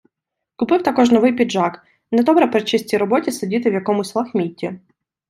Купив також новий піджак, - недобре при чистій роботі сидіти в якомусь лахмітті.